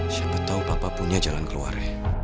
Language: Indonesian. siapa tahu papa punya jalan keluarnya